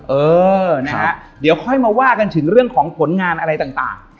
เออนะฮะเดี๋ยวค่อยมาว่ากันถึงเรื่องของผลงานอะไรต่าง